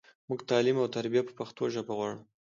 مونږ تعلیم او تربیه په پښتو ژبه غواړو.